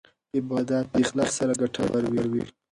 عبادت په اخلاص سره ګټور وي.